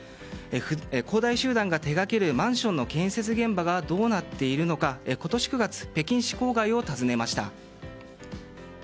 恒大集団が手掛けるマンションの建設現場がどうなっているのか今年９月北京市郊外を訪ねました。